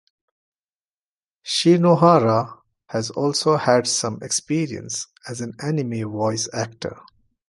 Shinohara has also had some experience as an anime voice actor.